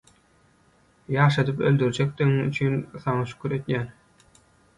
Ýaşadyp öldürjekdigiň üçin Saňa şükür edýän.